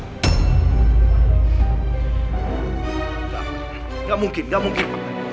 gak gak mungkin gak mungkin